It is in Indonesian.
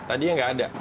tadinya nggak ada